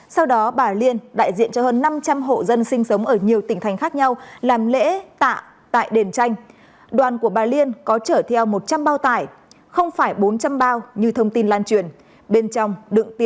sau đó bà liên đại diện cho hơn năm trăm linh hộ dân sinh sống